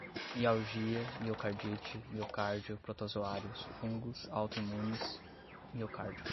mialgia, miocardite, miocárdio, protozoários, fungos, autoimunes, miocárdio